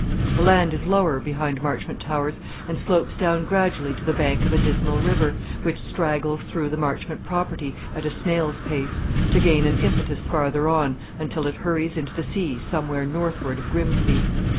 The land is lower behind Marchmont Towers, and slopes down gradually to the bank of a dismal river, which straggles through the Marchmont property at a snail's pace, to gain an impetus farther on, until it hurries into the sea somewhere northward of Grimsby.